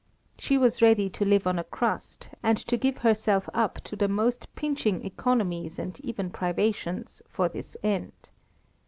She was ready to live on a crust, and to give herself up to the most pinching economies and even privations, for this end.